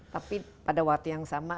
tapi pada waktu yang sama